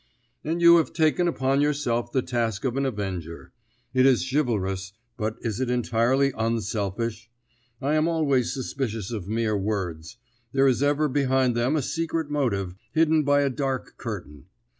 "And you have taken upon yourself the task of an avenger. It is chivalrous, but is it entirely unselfish? I am always suspicious of mere words; there is ever behind them a secret motive, hidden by a dark curtain.